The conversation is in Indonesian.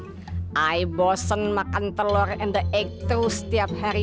saya bosan makan telur and the egg terus setiap hari